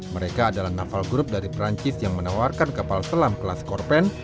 mereka adalah naval group dari perancis yang menawarkan kapal selam kelas korpen